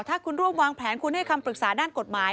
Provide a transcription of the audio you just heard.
ถ้าคุณร่วมวางแผนคุณให้คำปรึกษาด้านกฎหมาย